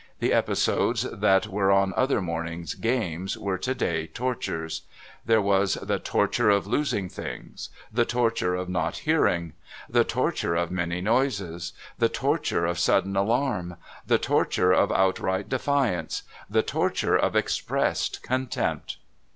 The episodes that were on other mornings games were today tortures. There was the Torture of Losing Things, the Torture of Not Hearing, the Torture of Many Noises, the Torture of Sudden Alarm, the Torture of Outright Defiance, the Torture of Expressed Contempt.